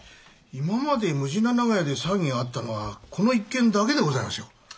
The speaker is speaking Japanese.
今までむじな長屋で騒ぎがあったのはこの一件だけでございますよ。